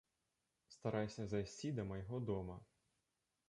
Старайся зайсці да майго дома.